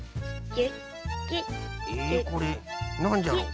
えこれなんじゃろう？